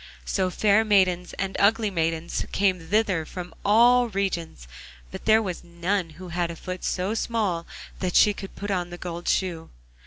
So fair maidens and ugly maidens came thither from all regions, but there was none who had a foot so small that she could put on the gold shoe.